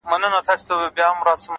خلوت پر شخصيت د عبادت له مينې ژاړي”